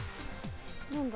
何だ？